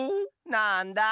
なんだ。